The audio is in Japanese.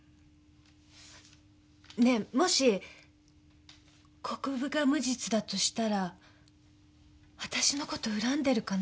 ねぇもし国府が無実だとしたらあたしのこと恨んでるかな？